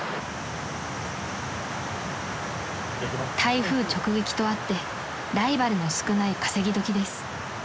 ［台風直撃とあってライバルの少ない稼ぎ時です］